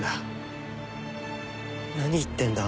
何言ってんだ？